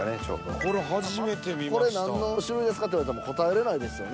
これ何の種類ですかって言われても答えれないですよね